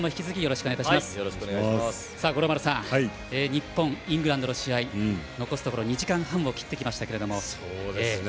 日本、イングランドの試合残すところ２時間半を切ってきましたけれども。